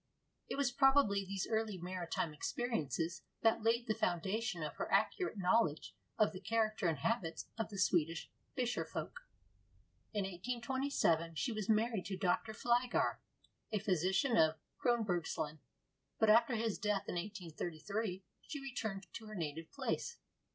It was probably these early maritime experiences that laid the foundation of her accurate knowledge of the character and habits of the Swedish fisherfolk. In 1827 she was married to Dr. Flygare, a physician of Kronbergslän, but after his death in 1833 she returned to her native place.